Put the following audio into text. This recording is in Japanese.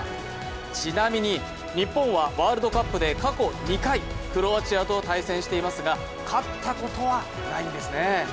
ちなみに、日本はワールドカップで過去２回クロアチアと対戦していますが、勝ったことはないんですね。